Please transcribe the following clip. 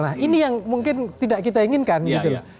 nah ini yang mungkin tidak kita inginkan gitu loh